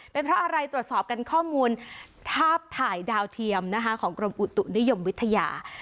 เป็นเพราะอะไรตรวจสอบกันข้อมูลภาพถ่ายดาวเทียมนะคะของกรมอุตุนิยมวิทยา